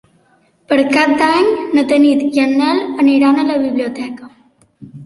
Per Cap d'Any na Tanit i en Nel aniran a la biblioteca.